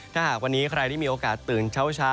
ถ้าหากวันนี้ใครที่มีโอกาสตื่นเช้า